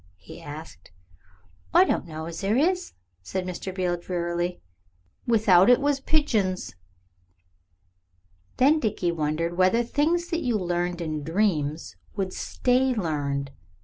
he asked. "I don't know as there is," said Mr. Beale drearily; "without it was pigeons." Then Dickie wondered whether things that you learned in dreams would "stay learned."